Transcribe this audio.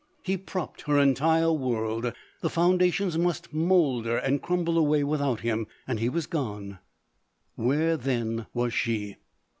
He propped her entire world ; the foundations must moulder and crumble away without him — and he was gone — where then was she